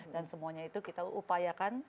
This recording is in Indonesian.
dan semuanya itu kita upayakan